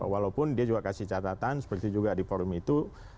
walaupun dia juga kasih catatan seperti juga di forum itu